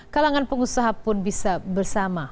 kalangan pengusaha pun bisa bersama